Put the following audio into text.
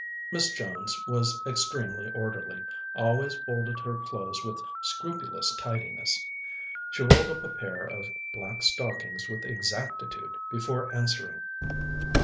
Miss Jones was extremely orderly, and always folded her clothes with scrupulous tidiness. She rolled up a pair of black stockings with exactitude before answering.